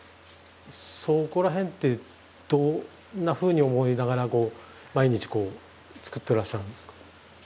そこら辺ってどんなふうに思いながら毎日つくってらっしゃるんですか？